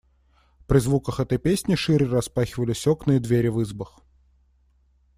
При звуках этой песни шире распахивались окна и двери в избах.